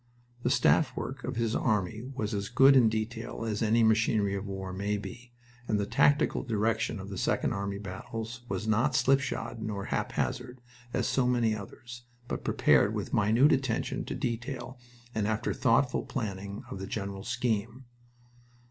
The staff work of his army was as good in detail as any machinery of war may be, and the tactical direction of the Second Army battles was not slipshod nor haphazard, as so many others, but prepared with minute attention to detail and after thoughtful planning of the general scheme.